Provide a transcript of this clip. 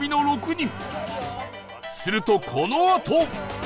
するとこのあと